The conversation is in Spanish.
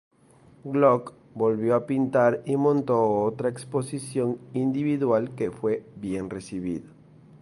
Gluck volvió a pintar y montó otra exposición individual que fue bien recibida.